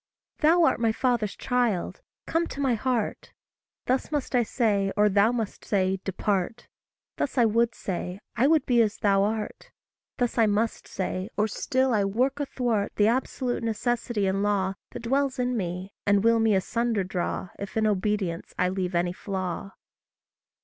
"Thou art my father's child come to my heart:" Thus must I say, or Thou must say, "Depart;" Thus I would say I would be as thou art; Thus I must say, or still I work athwart The absolute necessity and law That dwells in me, and will me asunder draw, If in obedience I leave any flaw.